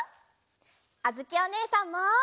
あづきおねえさんも！